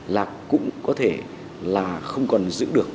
là cũng có thể là không còn giữ được